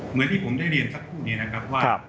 เหมือนที่ผมได้เรียนสักครู่นี้นะครับว่า